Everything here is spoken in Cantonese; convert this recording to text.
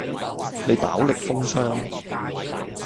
你飽歷風霜